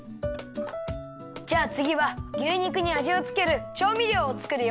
じゃあつぎは牛肉にあじをつけるちょうみりょうをつくるよ。